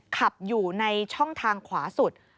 ขับอยู่ในช่องทางขวาสุด